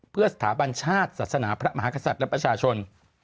เพื่อสถาบันชาติศาสนาพระมหากษัตริย์และประชาชน